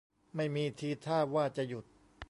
ไม่มีทีท่าว่าจะหยุด